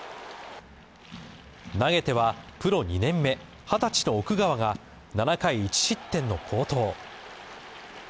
投げてはプロ２年目・二十歳の奥川が７回１失点の好投。